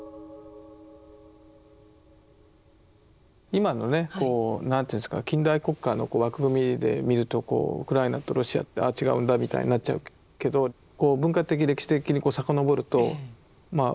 今のねこう何ていうんですか近代国家の枠組みで見るとウクライナとロシアってあ違うんだみたいになっちゃうけど文化的歴史的に遡るとまあ